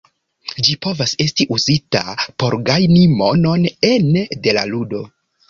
Ĝi povas esti uzita por gajni monon ene de la ludo.